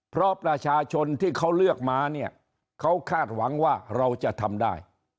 เพราะประชาชนที่เขาเลือกมาเนี่ยเขาคาดหวังว่าเราจะทำได้